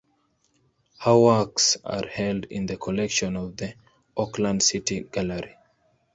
Her works are held in the collection of the Auckland City Gallery.